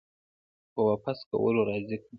په واپس کولو راضي کړو